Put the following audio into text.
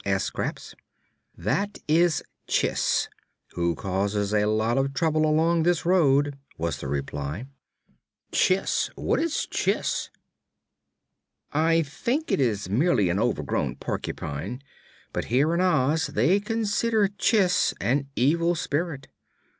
asked Scraps. "That is Chiss, who causes a lot of trouble along this road," was the reply. "Chiss! What is Chiss? "I think it is merely an overgrown porcupine, but here in Oz they consider Chiss an evil spirit.